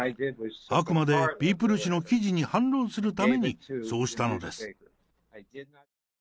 あくまでピープル誌の記事に反論するためにそうしたのです。